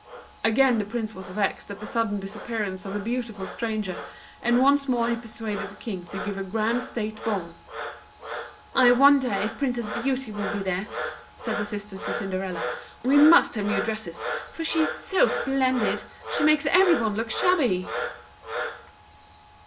Again the Prince was vexed at the sudden disappearance of the beautiful stranger, and once more he persuaded the King to give a grand State ball. "I wonder if Princess Beauty will be there!" said the sisters to Cinderella. "We must have new dresses, for she is so splendid. She makes every one look shabby."